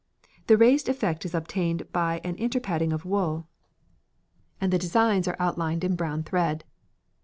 The raised effect is obtained by an interpadding of wool, and the designs are outlined in brown thread.